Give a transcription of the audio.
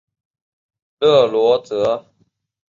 勒罗泽。